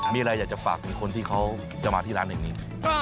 มีอะไรอยากจะฝากถึงคนที่เขาจะมาที่ร้านแห่งนี้